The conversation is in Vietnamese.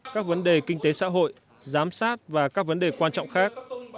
các vấn đề kinh tế xã hội giám sát và các vấn đề quan trọng khác